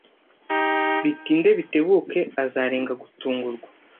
Bitinde bitebuke, azarenga gutungurwa.